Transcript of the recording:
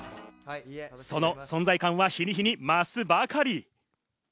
その存在感は日に日に増すばかり。